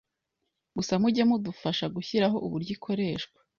Gusa muge mudufasha gushyiraho uburyo ikoreshwa